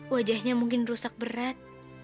wajahnya mungkin rusak berat